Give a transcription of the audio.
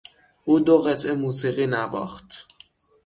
او دو قطعه موسیقی نواخت.